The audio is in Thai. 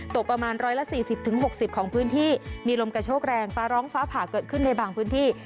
ตกประมาณ๑๔๐๖๐ของพื้นที่มีลมกระโชกแรงฟ้าร้องฟ้าผ่าเกิดขึ้นในบางพื้นที่